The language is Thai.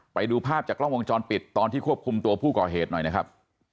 ไปดูภาพจากกล้องวงจรปิดตอนที่ควบคุมตัวผู้ก่อเหตุหน่อยนะครับ